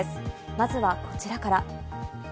まずはこちらから。